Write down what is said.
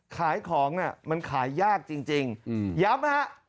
ขายของน่ะมันขายยากจริงย้ำนะฮะ